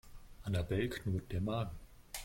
Annabel knurrt der Magen.